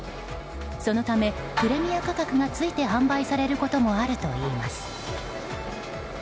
そのためプレミア価格がついて販売されることもあるといいます。